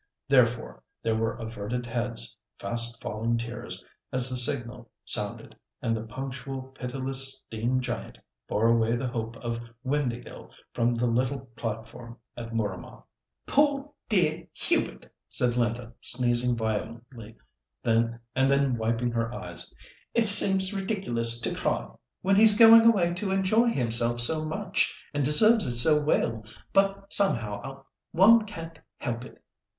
Therefore, there were averted heads, fast falling tears, as the signal sounded, and the punctual, pitiless steam giant bore away the hope of Windāhgil from the little platform at Mooramah. "Poor, dear Hubert!" said Linda, sneezing violently, and then wiping her eyes; "it seems ridiculous to cry, when he's going away to enjoy himself so much, and deserves it so well; but, somehow, one can't help it.